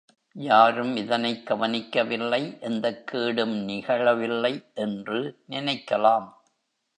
யாரும் இதனைக் கவனிக்கவில்லை எந்தக் கேடும் நிகழவில்லை என்று நினைக்கலாம்.